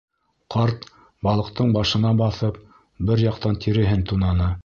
Ҡарт, балыҡтың башына баҫып, бер яҡтан тиреһен тунаны.